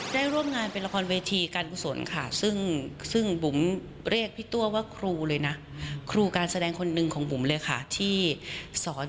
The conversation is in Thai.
ร่วมงานเป็นละครเวทีการกุศลค่ะซึ่งบุ๋มเรียกพี่ตัวว่าครูเลยนะครูการแสดงคนหนึ่งของบุ๋มเลยค่ะที่สอน